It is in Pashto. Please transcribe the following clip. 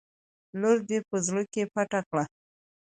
لور دې په زرو کې پټه کړه.